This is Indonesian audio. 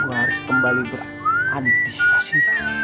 aku harus kembali berantisipasi